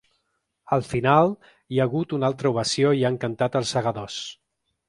Al final, hi ha hagut una altra ovació i han cantat ‘Els segadors’.